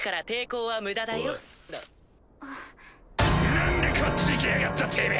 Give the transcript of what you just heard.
なんでこっち来やがったてめぇ！